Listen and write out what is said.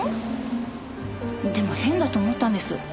でも変だと思ったんです。